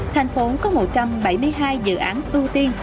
thành phố có một trăm bảy mươi hai dự án ưu tiên